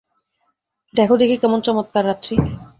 দেখো দেখি কেমন চমৎকার রাত্রি।